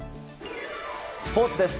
スポーツです。